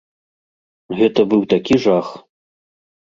Гэта быў такі жах.